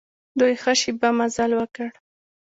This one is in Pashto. دوی ښه شېبه مزل وکړ.